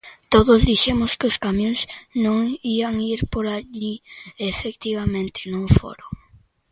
Todos dixemos que os camións non ían ir por alí, e, efectivamente, non foron.